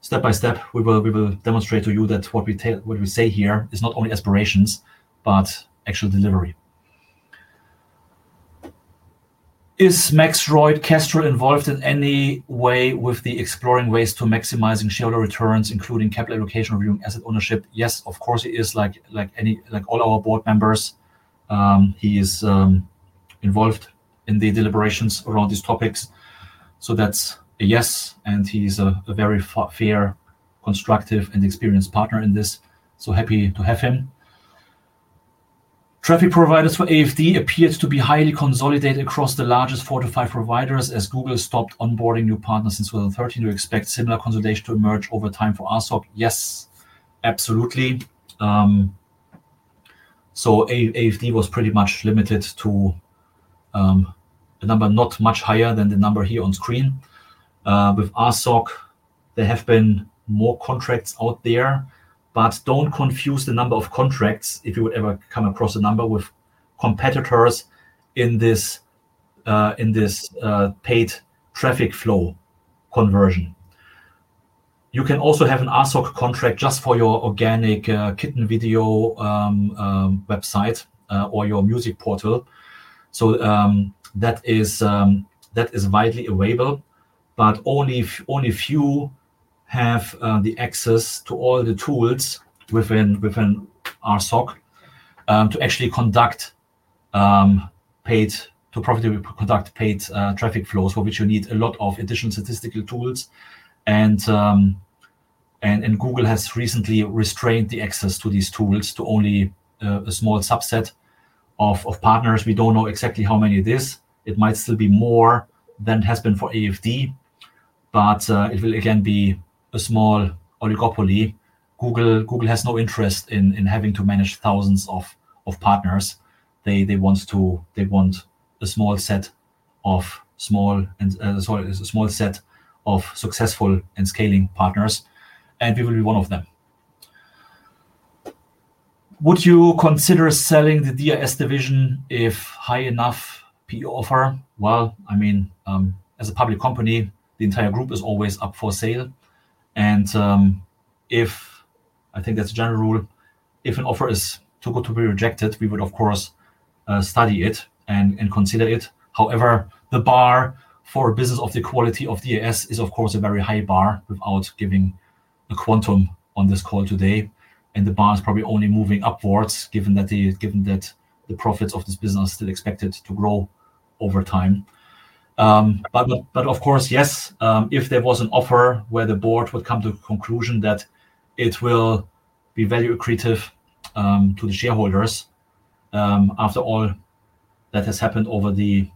step by step, we will demonstrate to you that what we say here is not only aspirations, but actual delivery. Is Max Royde, Kestrel involved in any way with the exploring ways to maximize shareholder returns, including capital allocation or asset ownership? Yes, of course, he is, like all our board members. He is involved in the deliberations around these topics. That's a yes. He's a very fair, constructive, and experienced partner in this. Happy to have him. Traffic providers for AFD appear to be highly consolidated across the largest four to five providers as Google stopped onboarding new partners in 2013? Do you expect similar consolidation to emerge over time for RSoC? Yes, absolutely. AFD was pretty much limited to a number not much higher than the number here on screen. With RSoC, there have been more contracts out there. Don't confuse the number of contracts if you would ever come across a number with competitors in this paid traffic flow conversion. You can also have an RSoC contract just for your organic kitten video website or your music portal. That is widely available. Only a few have the access to all the tools within RSoC to actually and profitably conduct paid traffic flows, for which you need a lot of additional statistical tools. Google has recently restrained the access to these tools to only a small subset of partners. We don't know exactly how many it is. It might still be more than has been for AFD. It will again be a small oligopoly. Google has no interest in having to manage thousands of partners. They want a small set of successful and scaling partners. We will be one of them. Would you consider selling the DIS division if high enough PE offer? I mean, as a public company, the entire group is always up for sale. I think that's a general rule. If an offer is too good to be rejected, we would, of course, study it and consider it. However, the bar for a business of the quality of DIS is, of course, a very high bar without giving a quantum on this call today. The bar is probably only moving upwards, given that the profits of this business are still expected to grow over time. But of course, yes, if there was an offer where the board would come to the conclusion that it will be value accretive to the shareholders, after all that has happened over the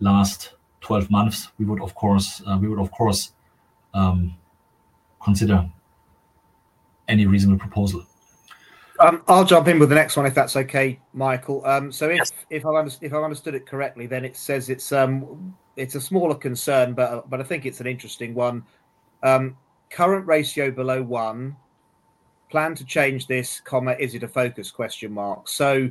last 12 months, we would, of course, consider any reasonable proposal. I'll jump in with the next one, if that's okay, Michael. So if I understood it correctly, then it says it's a smaller concern, but I think it's an interesting one. Current ratio below one, plan to change this, is it a focus? So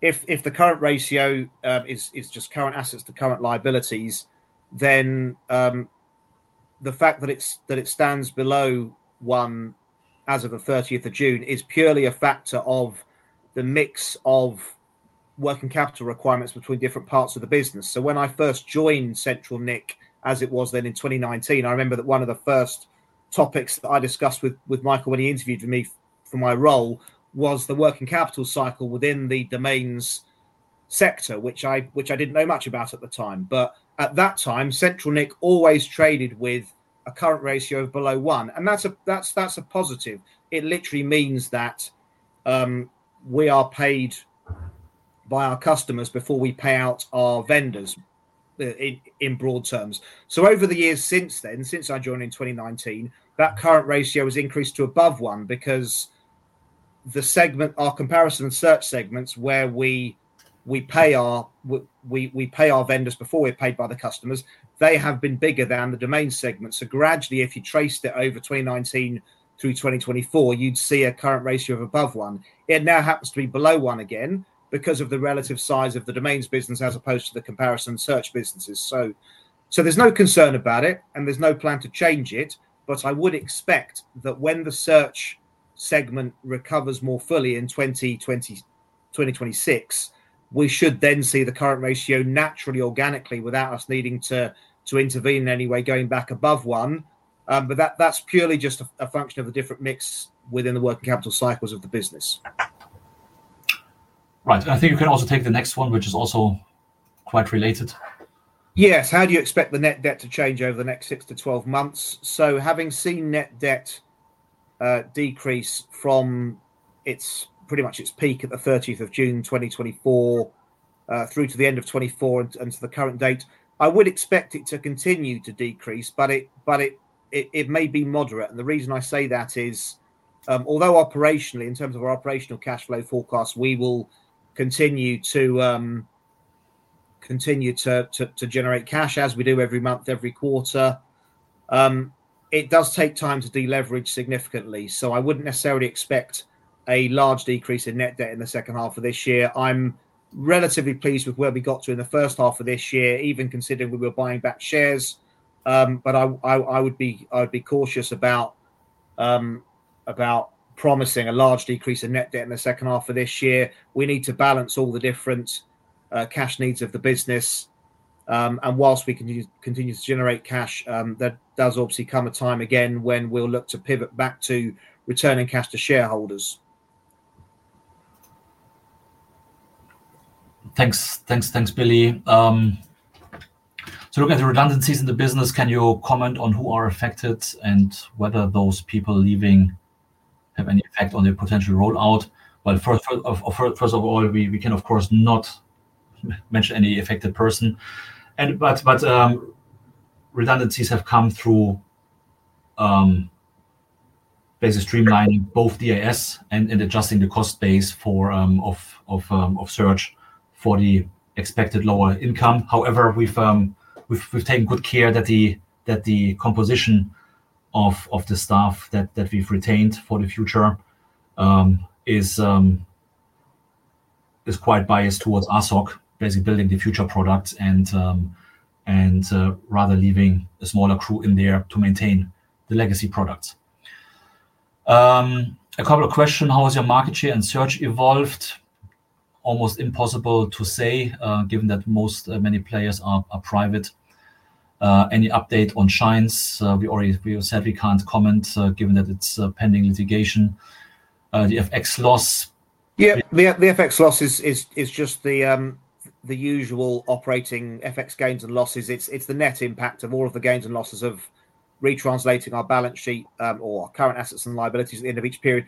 if the current ratio is just current assets to current liabilities, then the fact that it stands below one as of the 30th of June is purely a factor of the mix of working capital requirements between different parts of the business. So when I first joined CentralNic, as it was then in 2019, I remember that one of the first topics that I discussed with Michael when he interviewed me for my role was the working capital cycle within the domains sector, which I didn't know much about at the time. But at that time, CentralNic always traded with a current ratio of below one. And that's a positive. It literally means that we are paid by our customers before we pay out our vendors in broad terms. So over the years since then, since I joined in 2019, that current ratio has increased to above one because the segment, our comparison search segments where we pay our vendors before we're paid by the customers, they have been bigger than the domain segments. So gradually, if you traced it over 2019 through 2024, you'd see a current ratio of above one. It now happens to be below one again because of the relative size of the domains business as opposed to the comparison search businesses. So there's no concern about it, and there's no plan to change it. But I would expect that when the search segment recovers more fully in 2026, we should then see the current ratio naturally, organically, without us needing to intervene in any way, going back above one. But that's purely just a function of the different mix within the working capital cycles of the business. Right. I think you can also take the next one, which is also quite related. Yes. How do you expect the net debt to change over the next six-12 months? Having seen net debt decrease from pretty much its peak at the 30th of June 2024 through to the end of 2024 and to the current date, I would expect it to continue to decrease, but it may be moderate. The reason I say that is, although operationally, in terms of our operational cash flow forecast, we will continue to generate cash as we do every month, every quarter. It does take time to deleverage significantly. I wouldn't necessarily expect a large decrease in net debt in the second half of this year. I'm relatively pleased with where we got to in the first half of this year, even considering we were buying back shares. I would be cautious about promising a large decrease in net debt in the second half of this year. We need to balance all the different cash needs of the business. And whilst we continue to generate cash, there does obviously come a time again when we'll look to pivot back to returning cash to shareholders. Thanks. Thanks, Billy. To look at the redundancies in the business, can you comment on who are affected and whether those people leaving have any effect on their potential rollout? Well, first of all, we can, of course, not mention any affected person. But redundancies have come through basically streamlining both DIS and adjusting the cost base of search for the expected lower income. However, we've taken good care that the composition of the staff that we've retained for the future is quite biased towards RSoC, basically building the future products and rather leaving a smaller crew in there to maintain the legacy products. A couple of questions. How has your market share and search evolved? Almost impossible to say, given that most players are private. Any update on Shinez? We said we can't comment, given that it's pending litigation. The FX loss? Yeah. The FX loss is just the usual operating FX gains and losses. It's the net impact of all of the gains and losses of retranslating our balance sheet or our current assets and liabilities at the end of each period.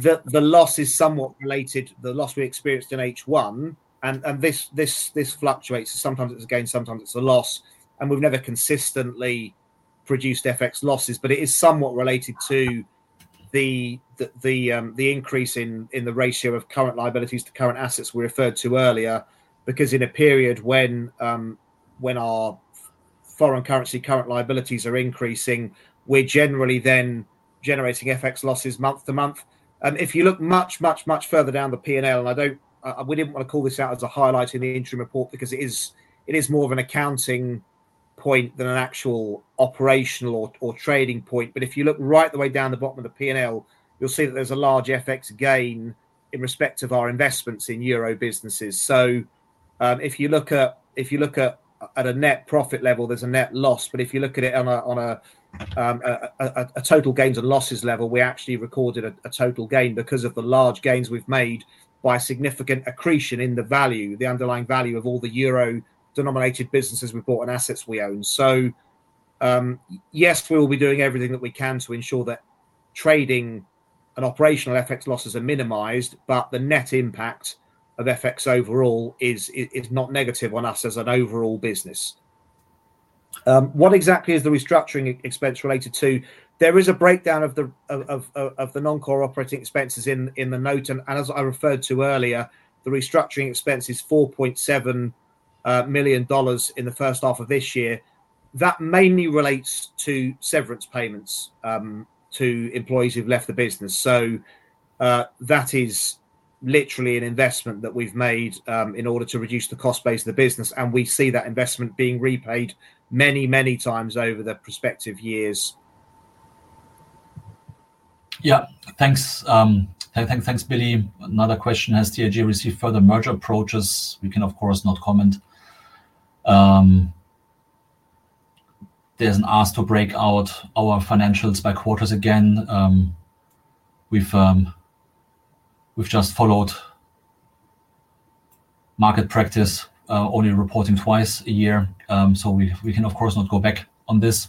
The loss is somewhat related. The loss we experienced in H1, and this fluctuates. Sometimes it's a gain, sometimes it's a loss. We've never consistently produced FX losses, but it is somewhat related to the increase in the ratio of current liabilities to current assets we referred to earlier because in a period when our foreign currency current liabilities are increasing, we're generally then generating FX losses month to month. If you look much, much, much further down the P&L, and I didn't want to call this out as a highlight in the interim report because it is more of an accounting point than an actual operational or trading point. But if you look right the way down the bottom of the P&L, you'll see that there's a large FX gain in respect of our investments in euro businesses. So if you look at a net profit level, there's a net loss. But if you look at it on a total gains and losses level, we actually recorded a total gain because of the large gains we've made by significant accretion in the value, the underlying value of all the euro denominated businesses we bought and assets we own. So yes, we will be doing everything that we can to ensure that trading and operational FX losses are minimized, but the net impact of FX overall is not negative on us as an overall business. What exactly is the restructuring expense related to? There is a breakdown of the non-core operating expenses in the note. And as I referred to earlier, the restructuring expense is $4.7 million in the first half of this year. That mainly relates to severance payments to employees who've left the business. So that is literally an investment that we've made in order to reduce the cost base of the business. And we see that investment being repaid many, many times over the prospective years. Yeah. Thanks. Thanks, Billy. Another question. Has TIG received further merger approaches? We can, of course, not comment. There's an ask to break out our financials by quarters again. We've just followed market practice, only reporting twice a year. So we can, of course, not go back on this.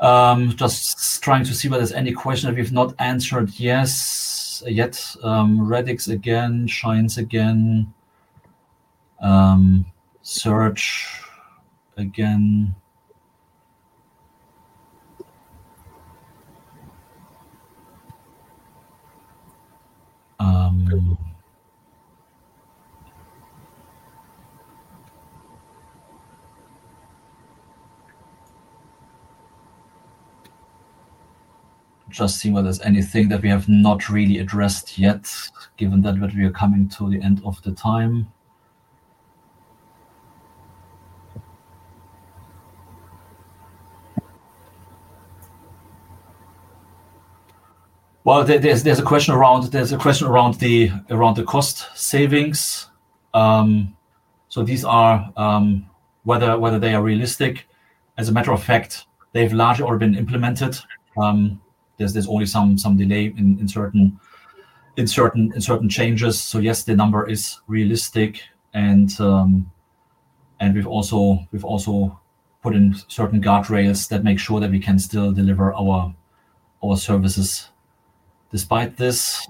Just trying to see whether there's any question that we've not answered yet. Radix again, Shinez again, Search again. Just seeing whether there's anything that we have not really addressed yet, given that we are coming to the end of the time. There's a question around the cost savings. So these are whether they are realistic. As a matter of fact, they've largely already been implemented. There's only some delay in certain changes. So yes, the number is realistic. And we've also put in certain guardrails that make sure that we can still deliver our services despite this.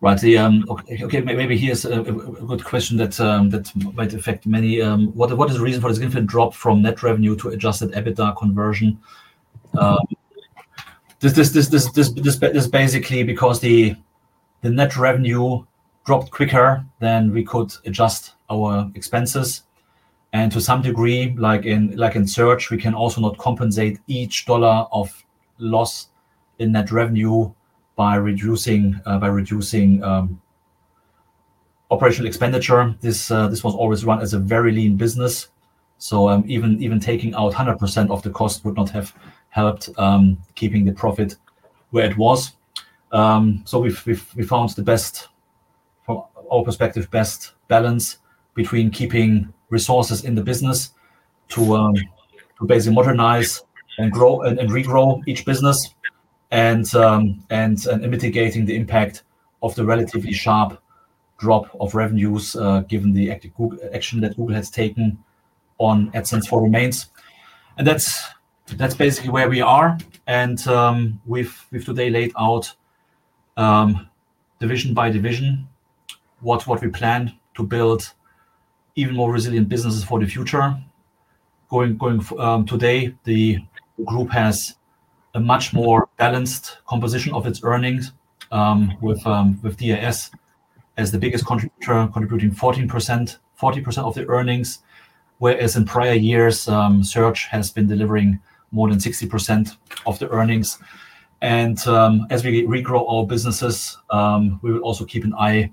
Right. Okay. Maybe here's a good question that might affect many. What is the reason for this significant drop from net revenue to Adjusted EBITDA conversion? This is basically because the net revenue dropped quicker than we could adjust our expenses. And to some degree, like in search, we can also not compensate each dollar of loss in net revenue by reducing operational expenditure. This was always run as a very lean business. So even taking out 100% of the cost would not have helped keeping the profit where it was. So we found the best, from our perspective, best balance between keeping resources in the business to basically modernize and regrow each business and mitigating the impact of the relatively sharp drop of revenues given the action that Google has taken on AdSense for Domains. And that's basically where we are. And we've today laid out division by division what we plan to build even more resilient businesses for the future. Today, the group has a much more balanced composition of its earnings with DIS as the biggest contributor, contributing 40% of the earnings, whereas in prior years, Search has been delivering more than 60% of the earnings. And as we regrow our businesses, we will also keep an eye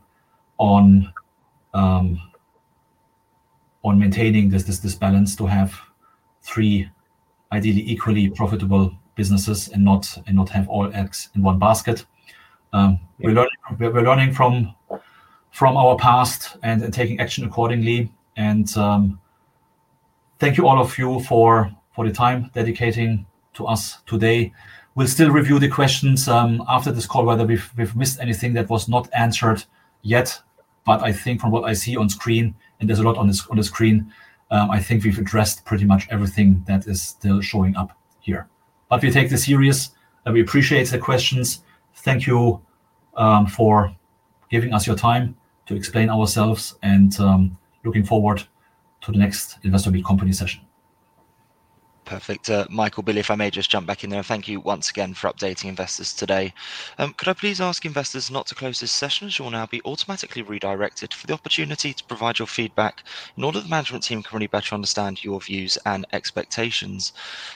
on maintaining this balance to have three ideally equally profitable businesses and not have all eggs in one basket. We're learning from our past and taking action accordingly. And thank you all of you for the time dedicating to us today. We'll still review the questions after this call, whether we've missed anything that was not answered yet. But I think from what I see on screen, and there's a lot on the screen, I think we've addressed pretty much everything that is still showing up here. But we take this seriously. We appreciate the questions. Thank you for giving us your time to explain ourselves and looking forward to the next Investor Meet Company session. Perfect. Michael, Billy, if I may just jump back in there. Thank you once again for updating investors today. Could I please ask investors not to close this session? You will now be automatically redirected for the opportunity to provide your feedback in order the management team can really better understand your views and expectations.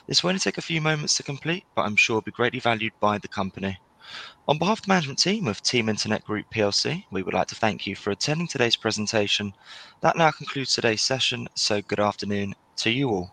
This won't take a few moments to complete, but I'm sure it'll be greatly valued by the company. On behalf of the management team of Team Internet Group PLC, we would like to thank you for attending today's presentation. That now concludes today's session. Good afternoon to you all.